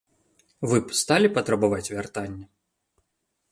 Вы б сталі патрабаваць вяртання?